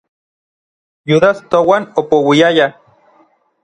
Yudas touan opouiaya.